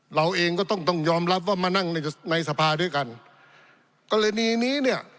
เราเองก็ต้องต้องยอมรับว่ามานั่งในในสภาด้วยกันกรณีนี้เนี่ย